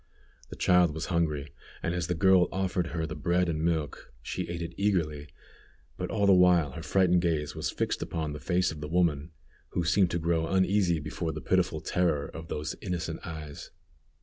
The child was hungry, and as the girl offered her the bread and milk, she ate it eagerly, but all the while her frightened gaze was fixed upon the face of the woman, who seemed to grow uneasy before the pitiful terror of those innocent eyes.